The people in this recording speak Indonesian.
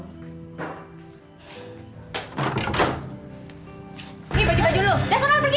nih bagi baju lu dasar kan pergi